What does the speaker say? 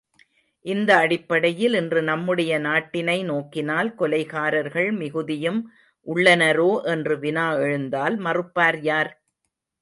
இந்த அடிப்படையில் இன்று நம்முடைய நாட்டினை நோக்கினால் கொலைகாரர்கள் மிகுதியும் உள்ளனரோ என்று வினா எழுந்தால் மறுப்பார் யார்?